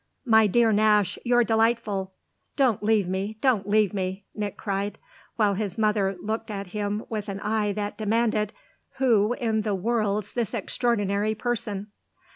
"My dear Nash, you're delightful: don't leave me don't leave me!" Nick cried; while his mother looked at him with an eye that demanded: "Who in the world's this extraordinary person?"